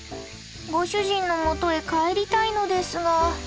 ご主人のもとへ帰りたいのですが。